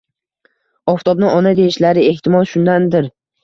Oftobni ona deyishlari, ehtimol, shundandir.